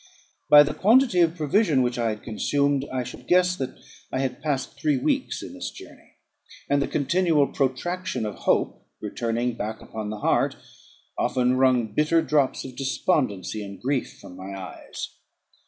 By the quantity of provision which I had consumed, I should guess that I had passed three weeks in this journey; and the continual protraction of hope, returning back upon the heart, often wrung bitter drops of despondency and grief from my eyes.